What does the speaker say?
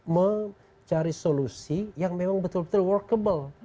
mencari solusi yang memang betul betul workable